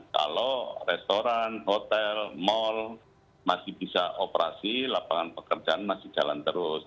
kalau restoran hotel mal masih bisa operasi lapangan pekerjaan masih jalan terus